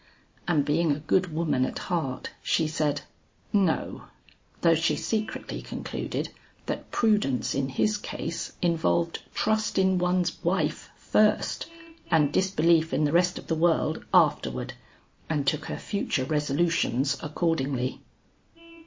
and being a good woman at heart, she said "no," though she secretly concluded that prudence in his case involved trust in one's wife first, and disbelief in the rest of the world afterward; and took her future resolutions accordingly.